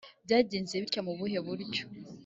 byagenze bitya mubuhe buryo!